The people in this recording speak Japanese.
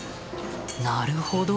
なるほど。